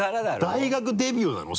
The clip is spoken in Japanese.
大学デビューなの？